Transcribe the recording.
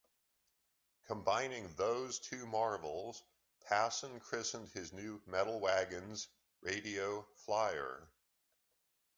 Combining those two marvels, Pasin christened his new metal wagons "Radio Flyer".